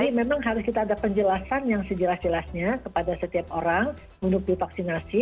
jadi memang harus kita ada penjelasan yang sejelas jelasnya kepada setiap orang untuk divaksinasi